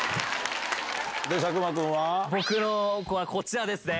僕の子はこちらですね。